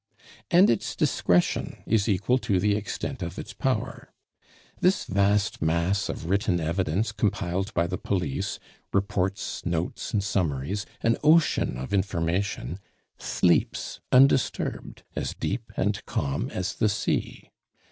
And its discretion is equal to the extent of its power. This vast mass of written evidence compiled by the police reports, notes, and summaries an ocean of information, sleeps undisturbed, as deep and calm as the sea.